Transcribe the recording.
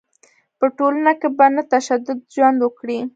په ټولنه کې په نه تشدد ژوند وکړي.